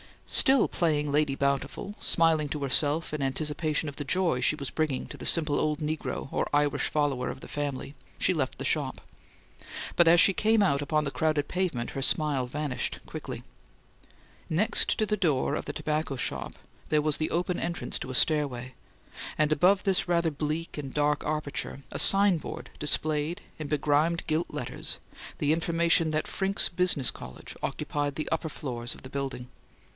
Still playing Lady Bountiful, smiling to herself in anticipation of the joy she was bringing to the simple old negro or Irish follower of the family, she left the shop; but as she came out upon the crowded pavement her smile vanished quickly. Next to the door of the tobacco shop, there was the open entrance to a stairway, and, above this rather bleak and dark aperture, a sign board displayed in begrimed gilt letters the information that Frincke's Business College occupied the upper floors of the building.